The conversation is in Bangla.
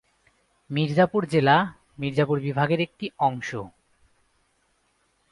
মির্জাপুর জেলা মির্জাপুর বিভাগের একটি অংশ।